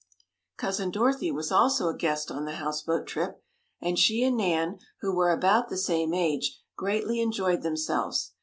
Cousin Dorothy was also a guest on the houseboat trip, and she and Nan, who were about the same age, greatly enjoyed themselves.